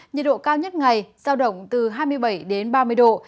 nhiệt độ cao nhất ngày ra động từ hai mươi bảy ba mươi độ